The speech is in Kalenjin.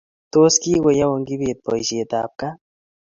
Tos, kigoyaun Kibet boishetab gaa?